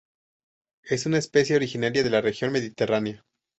Es una especie originaria de la región mediterránea.